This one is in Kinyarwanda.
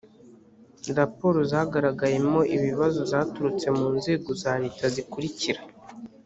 raporo zagaragayemo ibibazo zaturutse mu nzego za leta zikurikira